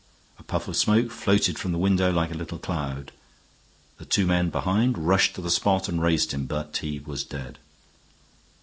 A puff of smoke floated from the window like a little cloud. The two men behind rushed to the spot and raised him, but he was dead.